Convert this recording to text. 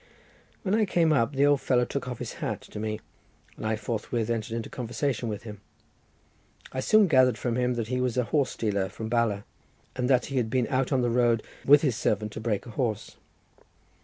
When I came up the old fellow took off his hat to me, and I forthwith entered into conversation with him. I soon gathered from him that he was a horse dealer from Bala, and that he had been out on the road with his servant to break a horse.